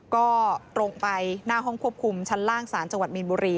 ก็ตรงไปหน้าห้องควบคุมชั้นล่างศาลจังหวัดมีนบุรี